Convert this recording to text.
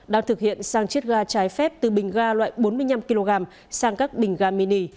đang thực hiện sang chiết ga trái phép từ bình ga loại bốn mươi năm kg sang các bình ga mini